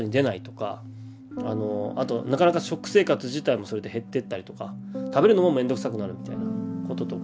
あとなかなか食生活自体もそれで減ってったりとか食べるのもめんどくさくなるみたいなこととか。